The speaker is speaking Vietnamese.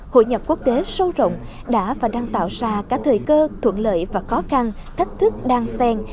hội nhập quốc tế sâu rộng đã và đang tạo ra cả thời cơ thuận lợi và khó khăn thách thức đan sen